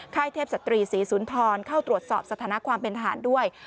ไข้เทพสตรี๔ศูนย์ทรเข้าตรวจสอบสถานกวามเป็นทหารด้วย